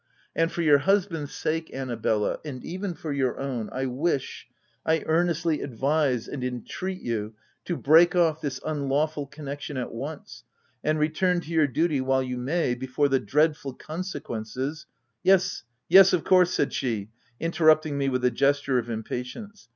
And, for your husband's sake, Annabella, and even for your own, I wish — I earnestly advise and entreat you to break off this unlawful connection at once, and return to your duty while you may, before the dreadful consequences —" "Yes, yes, of course," said she, interrupting me with a gesture of impatience.